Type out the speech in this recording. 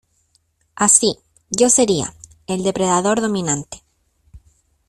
Así, yo sería... El depredador dominante .